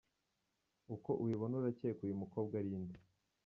Uko ubibona urakeka uyu mukobwa ari nde?.